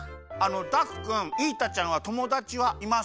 ダクくんイータちゃんはともだちはいますか？